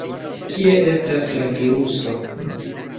Kie estas la viruso?